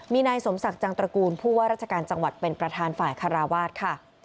มีนายสมศักดิ์จังตระกูลผู้ว่าราชการจังหวัดเป็นประธานฝ่ายคาราวาสค่ะ